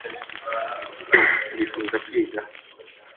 do wifuza kwiga